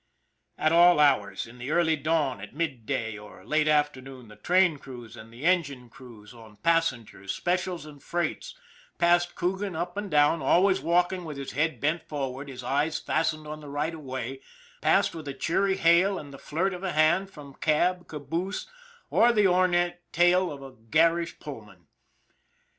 At all hours, in the early dawn, at midday or late afternoon, the train crews and the engine crews on pas GUARDIAN OF THE DEVIL'S SLIDE 175 sengers, specials and freights, passed Coogan up and down, always walking with his head bent forward, his eyes fastened on the right of way passed with a cheery hail and the flirt of a hand from cab, caboose, or the ornate tail of a garish Pullman.